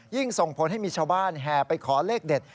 ส่งผลให้มีชาวบ้านแห่ไปขอเลขเด็ด